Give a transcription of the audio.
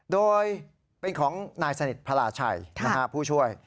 โดยเป็นของนายสนิทพลาชัยผู้ช่วย